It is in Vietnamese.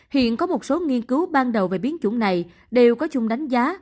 hiện có một số nghiên cứu ban đầu về biến chủng này đều có chung đánh giá